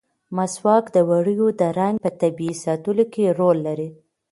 مسواک د ووریو د رنګ په طبیعي ساتلو کې رول لري.